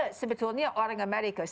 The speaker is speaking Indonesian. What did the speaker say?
saya sebetulnya orang amerika ya